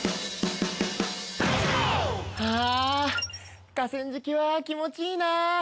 あ河川敷は気持ちいいなぁ。